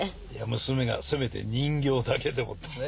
娘がせめて人形だけでもってね。